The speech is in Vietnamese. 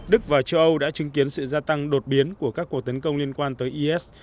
đức và châu âu đã chứng kiến sự gia tăng đột biến của các cuộc tấn công liên quan tới is